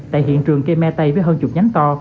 tại hiện trường cây me tay với hơn chục nhánh to